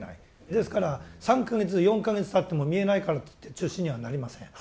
ですから３か月４か月たっても見えないからといって中止にはなりません。